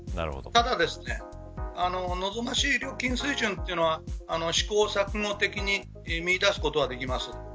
ただ望ましい料金水準というのは試行錯誤的に見いだすことはできます。